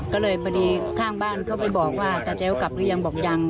ก็เลยพอดีข้างบ้านเขาไปบอกว่าแต่จะเอากลับก็ยังบอกยัง